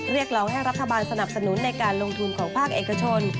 เราให้รัฐบาลสนับสนุนในการลงทุนของภาคเอกชน